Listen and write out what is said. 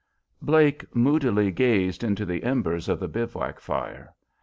Blake moodily gazed into the embers of the bivouac fire.